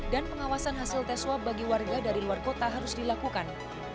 dan pengawasan hasil tes swab bagi warga dari luar kota harus dilakukan